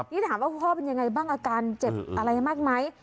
นี่ถามว่าคุณพ่อเป็นยังไงบ้างอาการเจ็บอะไรมากไหม